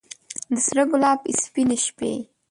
د سره ګلاب سپینې شبۍ